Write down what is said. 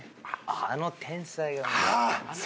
あの天才がもう。